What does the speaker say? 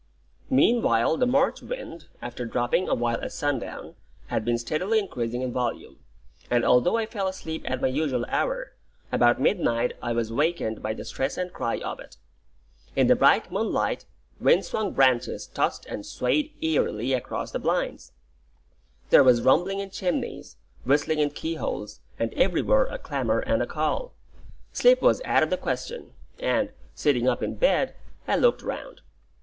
Meanwhile the March wind, after dropping a while at sundown, had been steadily increasing in volume; and although I fell asleep at my usual hour, about midnight I was wakened by the stress and cry of it. In the bright moonlight, wind swung branches tossed and swayed eerily across the blinds; there was rumbling in chimneys, whistling in keyholes, and everywhere a clamour and a call. Sleep was out of the question, and, sitting up in bed, I looked round.